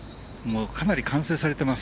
かなり完成されています。